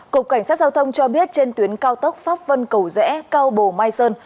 cục cảnh sát giao thông cho biết trên tuyến cao tốc pháp vân cầu rẽ cao bồ mai sơn